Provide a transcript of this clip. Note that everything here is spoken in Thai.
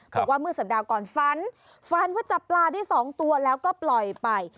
บอกว่าเมื่อสัปดาห์ก่อนฝันฝันว่าจับปลาได้๒ตัวแล้วก็ปล่อยไป